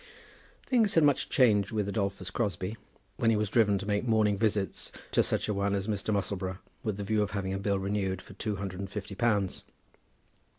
Things had much changed with Adolphus Crosbie when he was driven to make morning visits to such a one as Mr. Musselboro with the view of having a bill renewed for two hundred and fifty pounds.